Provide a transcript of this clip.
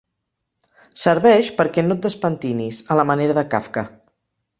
Serveix perquè no et despentinis, a la manera de Kafka.